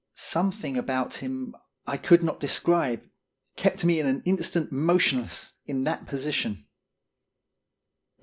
Some thing about him I could not describe kept me an instant motionless in that position.